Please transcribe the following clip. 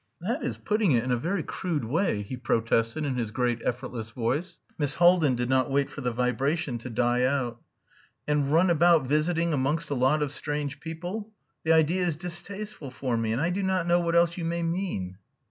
"That is putting it in a very crude way," he protested in his great effortless voice. Miss Haldin did not wait for the vibration to die out. "And run about visiting amongst a lot of strange people. The idea is distasteful for me; and I do not know what else you may mean?"